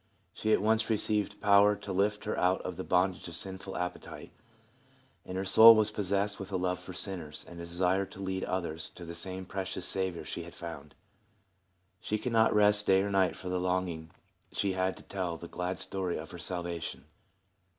She at once received power to lift her out of the bondage of sinful appetite, and her soul was possessed with a love for sinners, and a desire to lead others to the same precious Saviour she had found. She could not rest day or night for the longing she had to tell the glad story of her salvation.